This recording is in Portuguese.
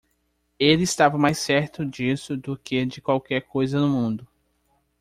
Ele estava mais certo disso do que de qualquer coisa no mundo.